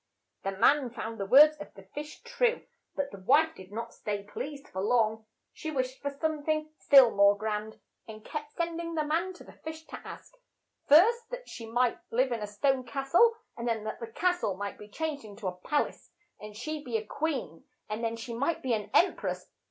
The man found the words of the fish true, but the wife did not stay pleased long. She wished for some thing still more grand, and kept send ing the man to the fish to ask, first that she might live in a stone cas tle, and then that the cas tle might be changed in to a pal ace and she be a queen, and then that she might be an em press.